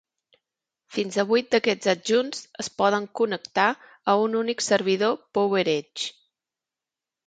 Fins a vuit d'aquests adjunts es poden connectar a un únic servidor PowerEdge.